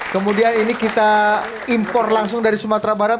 kemudian ini kita impor langsung dari sumatera barat